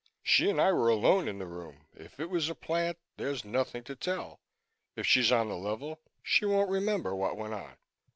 She and I were alone in the room. If it was a plant, there's nothing to tell. If she's on the level she won't remember what went on."